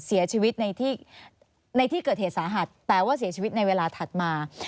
เสียชีวิตในที่ในที่เกิดเหตุสาหัสแต่ว่าเสียชีวิตในเวลาถัดมา